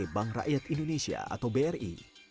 bank rakyat indonesia atau bri